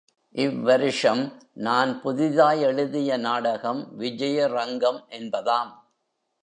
இவ் வருஷம் நான் புதிதாய் எழுதிய நாடகம் விஜய ரங்கம் என்பதாம்.